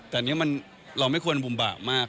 แต่อันนี้เราไม่ควรบุ่มบาปมาก